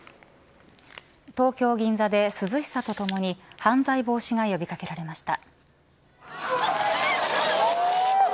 東京銀座で、涼しさとともに犯罪防止が呼び掛けられました。